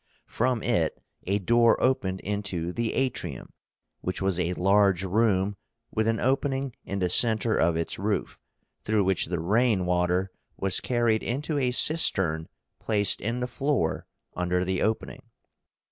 From it a door opened into the ATRIUM, which was a large room with an opening in the centre of its roof, through which the rain water was carried into a cistern placed in the floor under the opening.